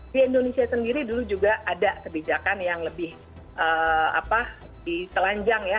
di indonesia sendiri dulu juga ada kebijakan yang lebih telanjang ya